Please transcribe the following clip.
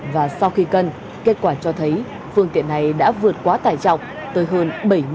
và sau khi cân kết quả cho thấy phương tiện này đã vượt quá tải trọng tới hơn bảy mươi